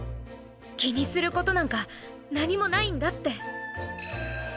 気にすることなんか何もないんだって。